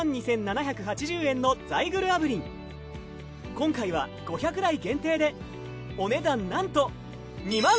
今回は５００台限定でお値段なんと。